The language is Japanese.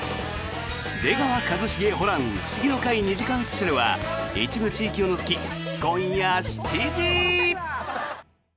「出川一茂ホラン☆フシギの会」２時間スペシャルは一部地域を除き今夜７時！